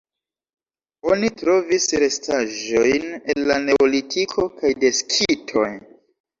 Oni trovis restaĵojn el la neolitiko kaj de skitoj.